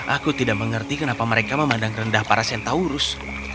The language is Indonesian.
aku tidak mengerti kenapa mereka memandang rendah para centaurus